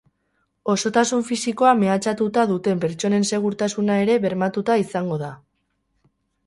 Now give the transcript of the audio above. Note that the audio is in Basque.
Osotasun fisikoa mehatxatuta duten pertsonen segurtasuna ere bermatuta izango da.